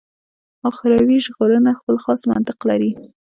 اخروي ژغورنه خپل خاص منطق لري.